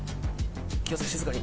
気を付けて静かに。